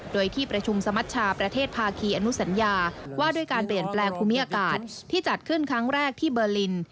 โดยที่ประชุมสมัชชาประเทศภาคีอนุสัญญาว่าด้วยการเปลี่ยนแปลงภูมิอากาศที่จัดขึ้นครั้งแรกที่เบอร์ลิน